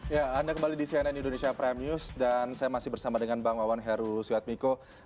ya anda kembali di cnn indonesia prime news dan saya masih bersama dengan bang wawan heru suatmiko